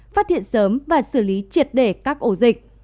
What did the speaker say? phát hiện sớm và xử lý triệt để các ổ dịch